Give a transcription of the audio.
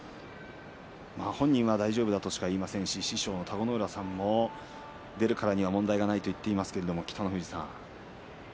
本人は大丈夫だとしか言っていませんし師匠の田子ノ浦さんも出るからには問題がないと言っていますけれども北の富士さん。